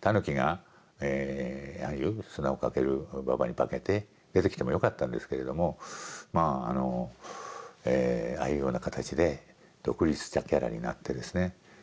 タヌキがああいう砂をかける婆に化けて出てきてもよかったんですけれどもまああのああいうような形で独立したキャラになってですね